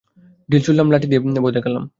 Till ছুড়লাম, লাঠি দিয়ে ভয় দেখলাম।